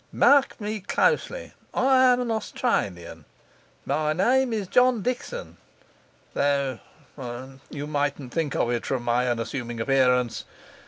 Mark me closely. I am an Australian. My name is John Dickson, though you mightn't think it from my unassuming appearance.